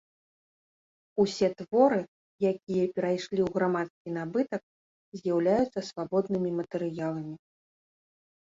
Усе творы, якія перайшлі ў грамадскі набытак, з'яўляюцца свабоднымі матэрыяламі.